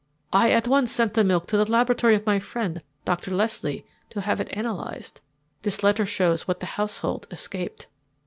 I at once sent the milk to the laboratory of my friend Doctor Leslie to have it analyzed. This letter shows what the household escaped."